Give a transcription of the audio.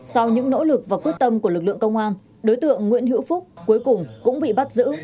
sau những nỗ lực và quyết tâm của lực lượng công an đối tượng nguyễn hữu phúc cuối cùng cũng bị bắt giữ